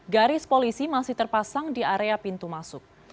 garis polisi masih terpasang di area pintu masuk